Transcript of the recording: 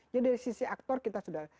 jadi dari sisi aktor kita sudah